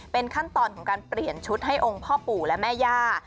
เป็นขั้นตอนของการเปลี่ยนชุดให้องค์พ่อปู่และแม่ย่า